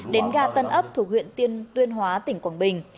đến ga tân ấp thuộc huyện tuyên hóa tỉnh quảng bình